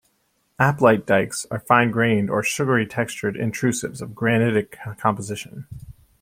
Aplite dikes are fine-grained or sugary-textured intrusives of granitic composition.